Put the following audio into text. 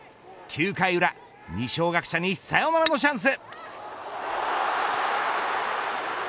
９回裏、二松学舎にサヨナラのチャンス。